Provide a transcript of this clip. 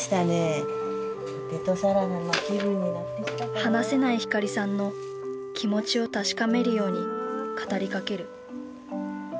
話せないひかりさんの気持ちを確かめるように語りかける。